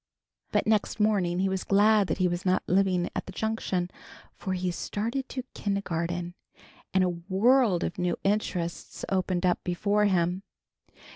But next morning he was glad that he was not living at the Junction, for he started to kindergarten, and a world of new interests opened up before him.